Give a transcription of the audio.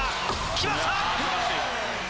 決まった！